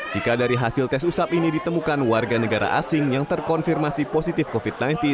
jika dari hasil tes usap ini ditemukan warga negara asing yang terkonfirmasi positif covid sembilan belas